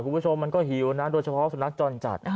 คุณผู้ชมมันก็หิวนะโดยเฉพาะสุนัขจรจัด